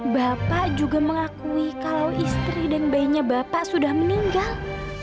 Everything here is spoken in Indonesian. bapak juga mengakui kalau istri dan bayinya bapak sudah meninggal